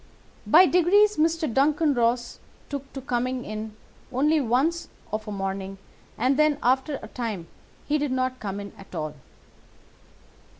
By degrees Mr. Duncan Ross took to coming in only once of a morning, and then, after a time, he did not come in at all.